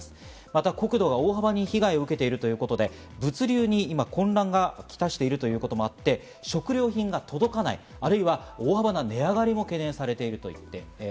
また国土が大幅に被害を受けているということで物流に今、混乱をきたしているということもあって、食料品が届かない、或いは大幅な値上がりも懸念されているということです。